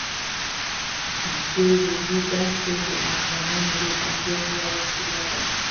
د ریګ دښتې د افغانانو د تفریح یوه وسیله ده.